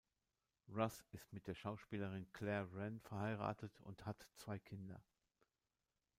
Russ ist mit der Schauspielerin Clare Wren verheiratet und hat zwei Kinder.